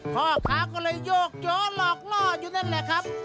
พ่อค้าก็เลยโยกย้อนหลอกล่ออยู่นั่นแหละครับ